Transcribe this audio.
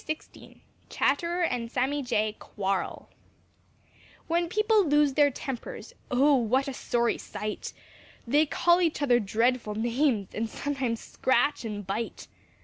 *XVI* *CHATTERER AND SAMMY JAY QUARREL* When people lose their tempers Oh what a sorry sight! They call each other dreadful names, And sometimes scratch and bite.